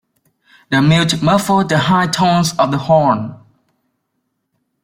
The mute muffled the high tones of the horn.